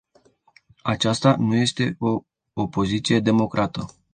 Aceasta nu este o opoziție democrată.